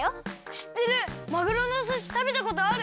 しってるまぐろのおすしたべたことある。